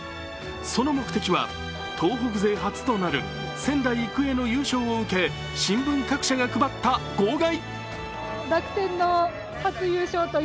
その目的は東北勢初となる仙台育英の優勝を受け新聞各社が配った号外。